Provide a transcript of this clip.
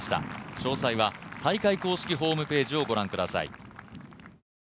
詳細は大会公式ホームページを御覧ください。